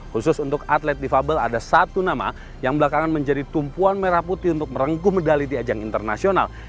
khusus untuk atlet difabel ada satu nama yang belakangan menjadi tumpuan merah putih untuk merengkuh medali di ajang internasional